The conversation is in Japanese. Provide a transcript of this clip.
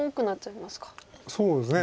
そうですね。